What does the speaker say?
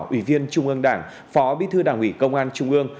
ủy viên trung ương đảng phó bí thư đảng ủy công an trung ương